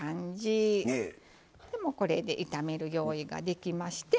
もうこれで炒める用意ができまして。